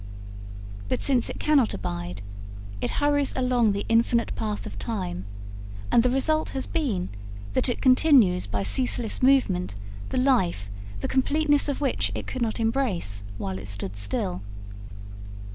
But since it cannot abide, it hurries along the infinite path of time, and the result has been that it continues by ceaseless movement the life the completeness of which it could not embrace while it stood still.